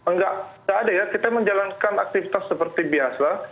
nggak ada ya kita menjalankan aktivitas seperti biasa